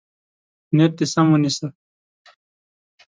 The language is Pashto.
نیت دې سم ونیسه.